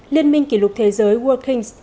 liên minh kỷ lục thế giới world kings